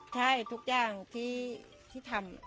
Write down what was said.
ใช่ทุกอย่างที่ทำ